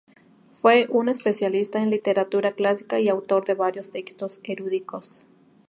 Fue un especialista en literatura clásica y autor de varios textos eruditos.